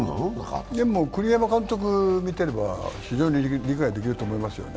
栗山監督を見てれば非常に理解できると思いますよね。